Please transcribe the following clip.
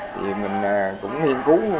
vì mình cũng nghiên cứu